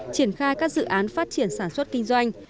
triển khai các dự án phát triển sản xuất kinh doanh